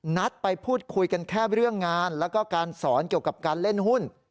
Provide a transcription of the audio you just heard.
นัดไปพูดคุยกันแค่เรื่องงานแล้วก็การสอนเกี่ยวกับการเล่นหุ้น